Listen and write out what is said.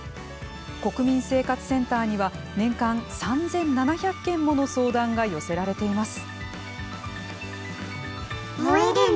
国民生活センターには年間３７００件もの相談が寄せられています。